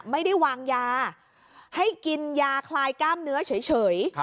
ไม่ได้วางยาให้กินยาคลายกล้ามเนื้อเฉย